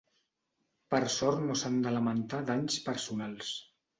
Per sort no s’han de lamentar danys personals.